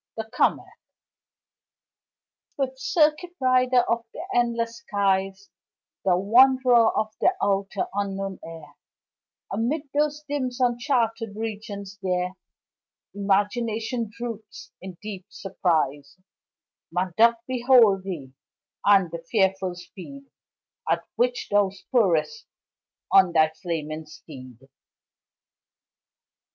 The Comet Swift circuit rider of the endless skies, Thou wanderer of the outer, unknown air, Amid those dim, uncharted regions there, Imagination droops in deep surprise Man doth behold thee, and the fearful speed At which thou spurrest on thy flaming steed.